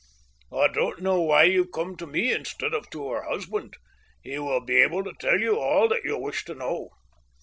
"I don't know why you come to me instead of to her husband. He will be able to tell you all that you wish to know."